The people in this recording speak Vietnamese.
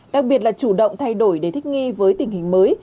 đặc biệt là chủ động thay đổi để thích nghi với tình hình mới